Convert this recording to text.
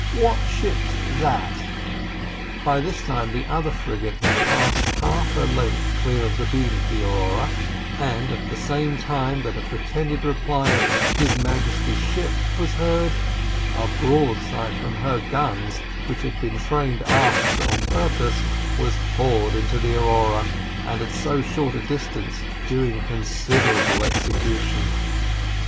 "What ship's that?" By this time the other frigate had passed half her length clear of the beam of the Aurora, and at the same time that a pretended reply of "His Majesty's ship " was heard, a broadside from her guns, which had been trained aft on purpose, was poured into the Aurora and, at so short a distance, doing considerable execution.